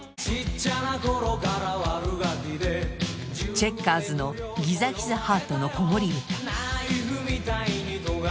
チェッカーズの『ギザギザハートの子守唄』